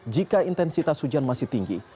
jika intensitas hujan masih tinggi